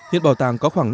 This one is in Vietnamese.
hiết bảo tàng có khoảng